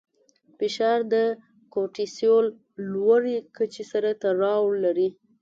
فشار د کورټیسول لوړې کچې سره تړاو لري.